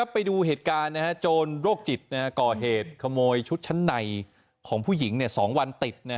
ไปดูเหตุการณ์โจรโรคจิตก่อเหตุขโมยชุดชั้นในของผู้หญิง๒วันติด